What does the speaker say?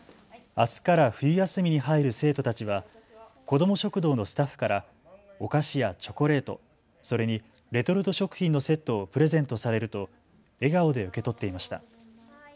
あすから冬休みに入る生徒たちは子ども食堂のスタッフからお菓子やチョコレート、それにレトルト食品のセットをプレゼントされると笑顔で受け取っていました。